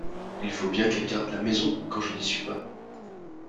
Il faut bien qu'elle garde la maison quand je n'y suis pas.